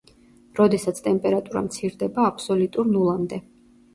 როდესაც ტემპერატურა მცირდება აბსოლიტურ ნულამდე.